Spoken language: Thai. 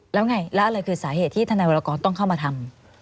แล้วอะไรคือสาเหตุที่ท่านไนวรกรต้องเข้ามาทำ